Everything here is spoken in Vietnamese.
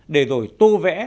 để rồi tô vẽ